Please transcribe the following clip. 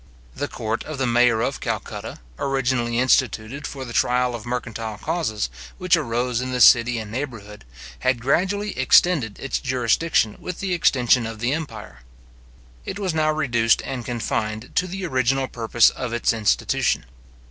The court of the Mayor of Calcutta, originally instituted for the trial of mercantile causes, which arose in the city and neighbourhood, had gradually extended its jurisdiction with the extension of the empire. It was now reduced and confined to the original purpose of its institution.